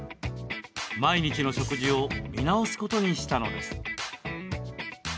毎日の食事を見直すことにしたのです。